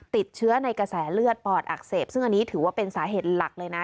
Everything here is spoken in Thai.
ติดเชื้อในกระแสเลือดปอดอักเสบซึ่งอันนี้ถือว่าเป็นสาเหตุหลักเลยนะ